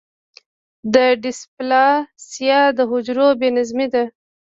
د ډیسپلاسیا د حجرو بې نظمي ده.